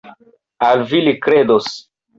Al vi li kredos!